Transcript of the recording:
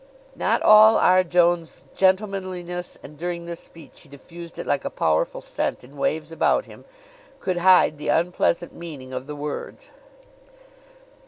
Not all R. Jones' gentlemanliness and during this speech he diffused it like a powerful scent in waves about him could hide the unpleasant meaning of the words.